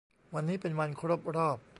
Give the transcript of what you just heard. วันนี้เป็นวันครบรอบ